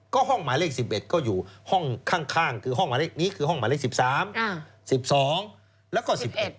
ก็ห้องหมายเลข๑๑ก็อยู่ห้องข้างนี่คือห้องหมายเลข๑๓๑๒แล้วก็๑๑